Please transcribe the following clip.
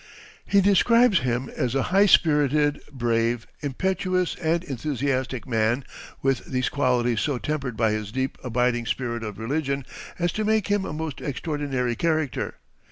He describes him as a high spirited, brave, impetuous, and enthusiastic man, with these qualities so tempered by his deep, abiding spirit of religion as to make him a most extraordinary character.